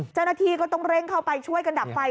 จันทีก็ต้องเร่งเข้าไปช่วยกันดับไฟ